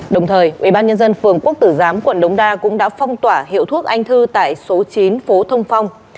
đồng thời ubnd phường quốc tử giám quận đống đa cũng đã phong tỏa hiệu thuốc anh thư tại số chín phố thông phong